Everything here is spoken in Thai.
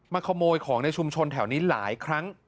ขโมยของในชุมชนแถวนี้หลายครั้ง